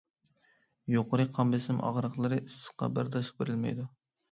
يۇقىرى قان بېسىم ئاغرىقلىرى ئىسسىققا بەرداشلىق بېرەلمەيدۇ.